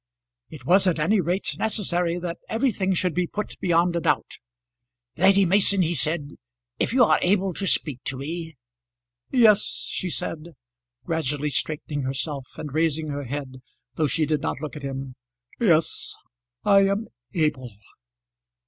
It was at any rate necessary that everything should be put beyond a doubt. "Lady Mason," he said, "if you are able to speak to me " "Yes," she said, gradually straightening herself, and raising her head though she did not look at him. "Yes. I am able."